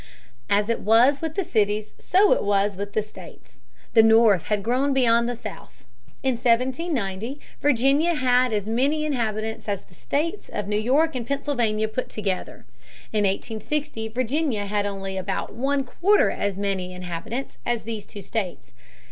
As it was with the cities so it was with the states the North had grown beyond the South. In 1790 Virginia had as many inhabitants as the states of New York and Pennsylvania put together. In 1860 Virginia had only about one quarter as many inhabitants as these two states.